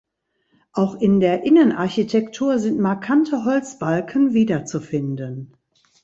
Auch in der Innenarchitektur sind markante Holzbalken wiederzufinden.